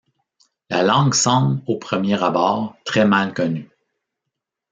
La langue semble, au premier abord, très mal connue.